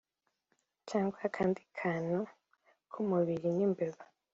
cyangwa akandi kantu ku mubiri n’imbeba